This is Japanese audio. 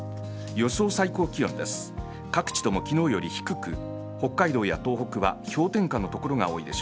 予想最高気温です。